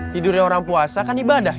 tidurnya orang puasa kan ibadah